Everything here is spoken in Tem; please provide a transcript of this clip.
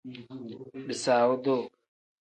Bisaawu duu.